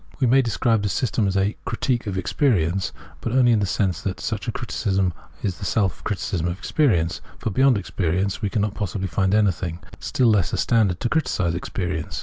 i We may describe this system as a " critique of ex perience," but only in the sense that such a criticism is the self criticism of experience ; for beyond experience we cannot possibly find anything, still less a standard to criticise experience.